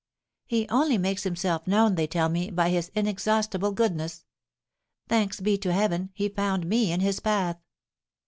"He only makes himself known, they tell me, by his inexhaustible goodness. Thanks be to Heaven, he found me in his path!"